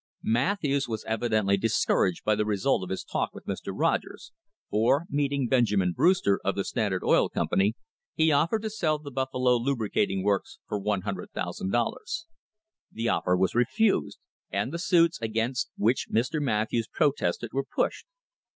Matthews was evidently discouraged by the result of his talk with Mr. Rogers, for, meeting Benjamin Brewster, of the Standard Oil Company, he offered to sell the Buffalo Lubri cating Works for $100,000. The offer was refused, and the suits against which Mr. Matthews protested were pushed.